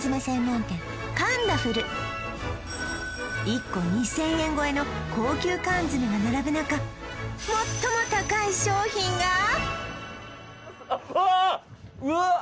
今１個２０００円超えの高級缶詰が並ぶ中最も高い商品があっうわっ！